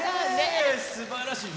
すばらしい！